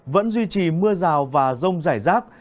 vẫn duy trì mưa rào và rông rải rác